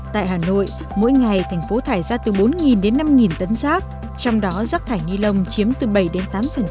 tại hà nội mỗi ngày thành phố thải ra từ bốn đến năm tấn rác trong đó rác thải ni lông chiếm từ bảy đến tám